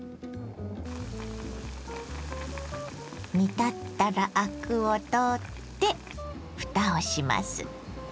煮立ったらアクを取ってふたをします。